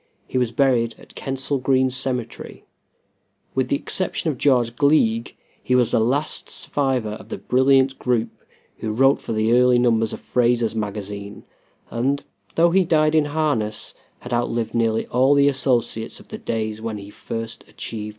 He was buried at Kensal Green Cemetery. With the exception of George Gleig, he was the last survivor of the brilliant group who wrote for the early numbers of Fraser's Magazine, and, though he died in harness, had outlived nearly all the associates of the days when he first achieved fame.